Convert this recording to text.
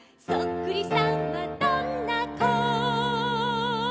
「そっくりさんはどんなこ」